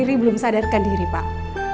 ini belum sadarkan diri pak